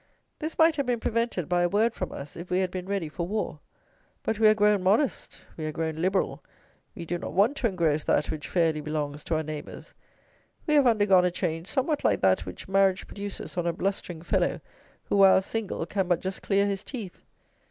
This might have been prevented by a word from us if we had been ready for war. But we are grown modest; we are grown liberal; we do not want to engross that which fairly belongs to our neighbours! We have undergone a change somewhat like that which marriage produces on a blustering fellow who while single can but just clear his teeth.